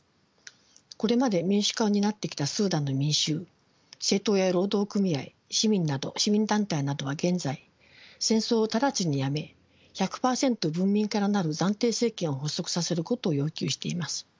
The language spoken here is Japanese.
これまで民主化を担ってきたスーダンの民衆政党や労働組合市民団体などは現在戦争を直ちにやめ１００％文民から成る暫定政権を発足させることを要求しています。